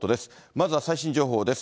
まずは最新情報です。